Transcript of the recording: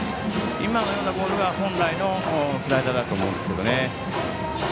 今のようなボールが本来のスライダーだと思います。